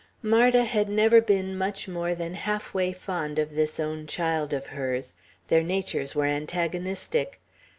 Marda had never been much more than half way fond of this own child of hers. Their natures were antagonistic.